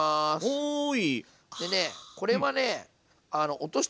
はい。